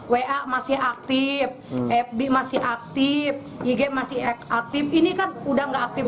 wa masih aktif fb masih aktif ig masih aktif